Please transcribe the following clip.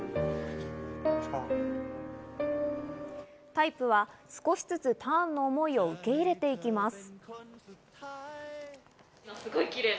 タイプは少しずつターンの思いを受け入れていきます。